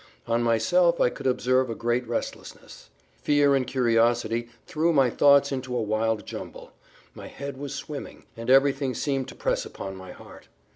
On myself I could observe a great restlessness. Fear and curiosity threw my thoughts into a wild jumble; my head was swimming, and everything seemed to press upon my heart.